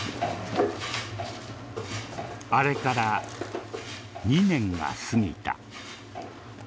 あれから２年が過ぎた。